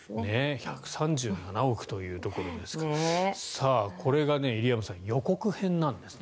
１３７億というところですからこれが入山さん予告編なんですね